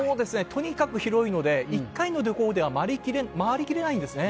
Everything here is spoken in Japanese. とにかく広いので、一回の旅行では周りきれないんですね。